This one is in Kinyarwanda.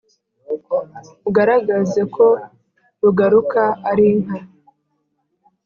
ugaragaze ko rugaruka arinka